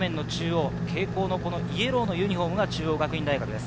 蛍光のイエローのユニホームが中央学院大学です。